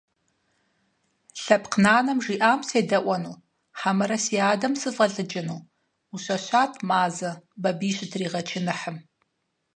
Лъэпкъ нанэм жиӀам седэӀуэну хьэмэрэ си адэм сыфӀэлӀыкӀыну?! – Ӏущэщат Мазэ, Бабий щытригъэчыныхьым.